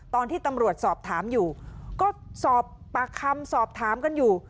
ตอนที่ตำรวจสอบถามอยู่ก็สอบปากคำสอบถามกันอยู่